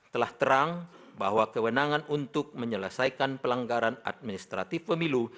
telah terang bahwa kewenangan untuk menyelesaikan pelanggaran administratif pemilu